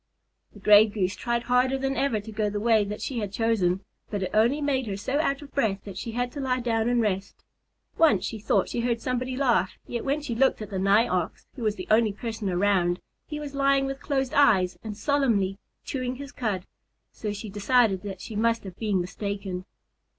The Gray Goose tried harder than ever to go the way that she had chosen, but it only made her so out of breath that she had to lie down and rest. Once she thought she heard somebody laugh, yet when she looked at the Nigh Ox, who was the only person around, he was lying with closed eyes and solemnly chewing his cud, so she decided that she must have been mistaken.